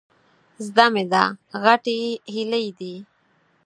زده مې ده، غټې هيلۍ دي.